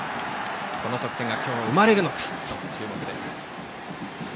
この得点が今日生まれるのか１つ、注目です。